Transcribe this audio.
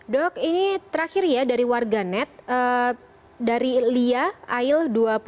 dok ini terakhir ya dari warganet dari lia ail dua puluh dua